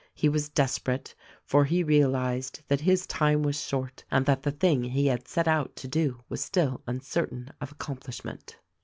He was desperate, for he realized that his time was short and that the thing he had set out to do was still uncertain of accomplishment."